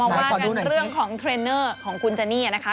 ว่ากันเรื่องของเทรนเนอร์ของคุณเจนี่นะคะ